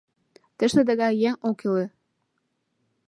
— Тыште тыгай еҥ ок иле.